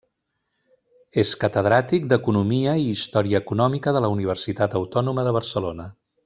És catedràtic d'Economia i Història Econòmica de la Universitat Autònoma de Barcelona.